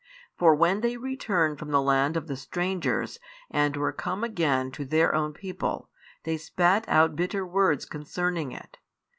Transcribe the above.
For when they returned from the land of the strangers and were come again to their own people, they spat out bitter words concerning it.